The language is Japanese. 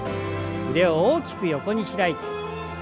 腕を大きく横に開いて。